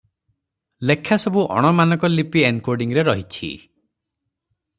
ଲେଖାସବୁ ଅଣ-ମାନକ ଲିପି ଏନକୋଡ଼ିଂରେ ରହିଛି ।